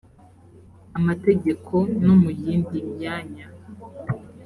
amategeko no mu yindi myanya